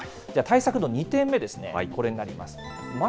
対策の２点目ですね、これになります。